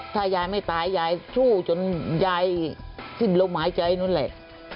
ถ้ายายไม่ตายยายชู่จนยายติดลงหายใจนึงเลย